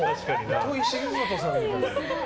糸井重里さんみたいな。